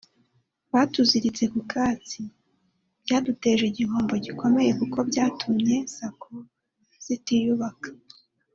Batuziritse ku katsi […] Byaduteje igihombo gikomeye kuko byatumye Sacco zitiyubaka